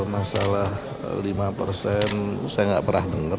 masalah lima persen saya nggak pernah dengar